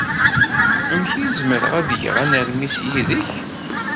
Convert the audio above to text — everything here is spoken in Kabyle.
Amek ay zemreɣ ad geɣ anermis yid-k?